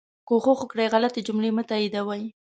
کوښښ وکړئ غلطي جملې مه تائیدوئ